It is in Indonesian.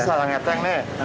seadanya yang ngeteng nih